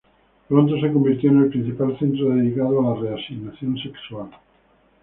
Pronto se convirtió en el principal centro dedicado a la reasignación sexual.